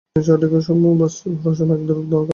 তিনি শহরটিকে অদ্ভুত রহস্যময় এক রূপদান করেন।